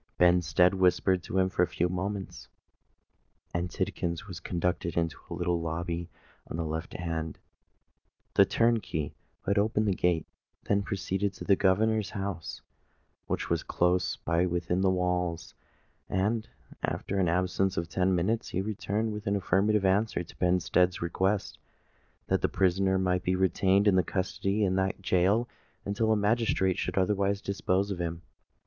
Benstead whispered to him for a few moments; and Tidkins was conducted into a little lobby on the left hand. The turnkey, who had opened the gate, then proceeded to the governor's house, which was close by within the walls; and, after an absence of ten minutes, he returned with an affirmative answer to Benstead's request that the prisoner might be retained in custody in that gaol until a magistrate should otherwise dispose of him.